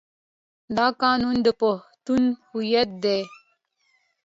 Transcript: دا قانون د پښتنو هویت دی.